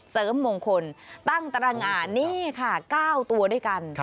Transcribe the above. เสริมมงคลตั้งตารางงานนี่ค่ะ๙ตัวด้วยกัน